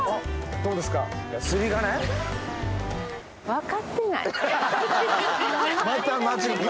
どうですか？